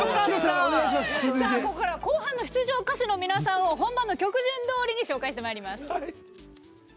ここからは後半の出場歌手の皆さんを本番の曲順どおりに紹介してまいります。